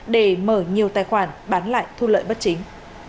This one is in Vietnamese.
để mở nhiều tài khoản bán lại thu lợi bất chính